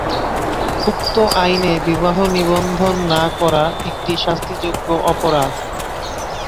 উক্ত আইনে বিবাহ নিবন্ধন না-করা একটি শাস্তিযোগ্য অপরাধ।